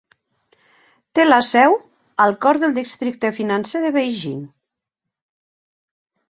Té la seu al cor del districte financer de Beijing.